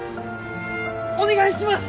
お願いします！